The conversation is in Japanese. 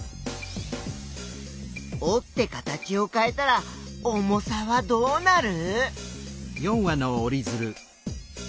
おって形をかえたら重さはどうなる？